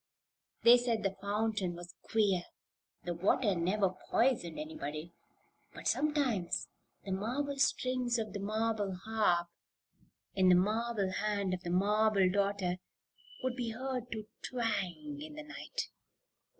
They said the fountain was queer. The water never poisoned anybody; but sometimes the marble strings of the marble harp in the marble hand or the marble daughter would be heard to twang in the night.